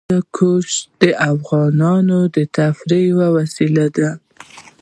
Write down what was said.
هندوکش د افغانانو د تفریح یوه وسیله ده.